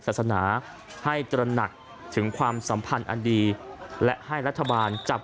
ศาสนาให้ตระหนักถึงความสัมพันธ์อันดีและให้รัฐบาลจับ